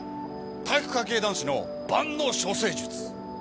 体育会系男子の万能処世術。